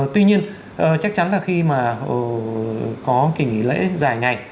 tuy nhiên chắc chắn là khi mà có kỳ nghỉ lễ dài ngày